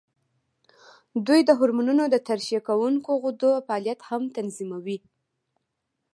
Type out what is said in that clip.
دوی د هورمونونو د ترشح کوونکو غدو فعالیت هم تنظیموي.